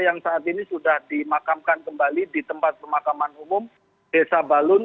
yang saat ini sudah dimakamkan kembali di tempat pemakaman umum desa balun